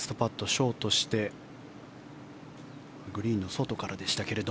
ショートしてグリーンの外からでしたけれど。